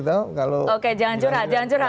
oke jangan curhat